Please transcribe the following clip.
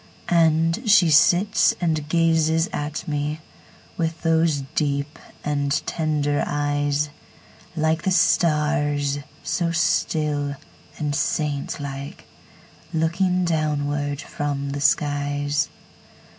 And she sits and gazes at meWith those deep and tender eyes, Like the stars, so still and saint like, Looking downward from the skies.